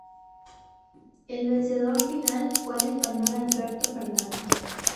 El vencedor final fue el español Alberto Fernández.